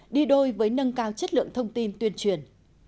đi đôi với nâng cao chất lượng thông tin tuyên truyền